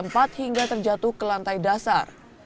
terputus dari lantai empat hingga terjatuh ke lantai dasar